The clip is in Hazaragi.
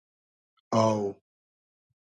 آو